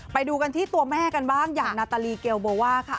ไปดูกันที่ตัวแม่กันบ้างอย่างนาตาลีเกลโบว่าค่ะ